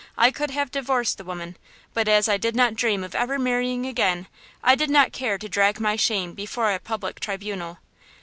I could have divorced the woman, but as I did not dream of ever marrying again, I did not care to drag my shame before a public tribunal.